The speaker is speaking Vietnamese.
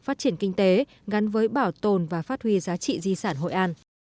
phát triển kinh tế gắn với bảo tồn và phát huy giá trị di sản hội an